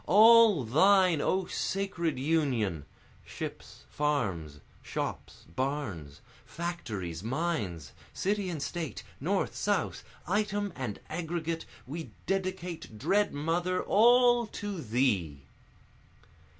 All thine O sacred Union! Ships, farms, shops, barns, factories, mines, City and State, North, South, item and aggregate, We dedicate, dread Mother, all to thee!